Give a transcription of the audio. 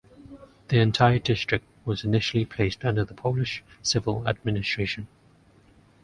The entire district was initially placed under the Polish civil administration.